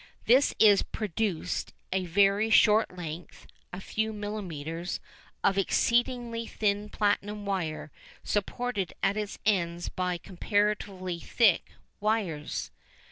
Thus is produced a very short length (a few millimetres) of exceedingly thin platinum wire supported at its ends by comparatively thick wires.